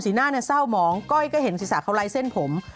หน้าเศร้าหมองก้อยก็เห็นศีรษะเขาไร้เส้นผม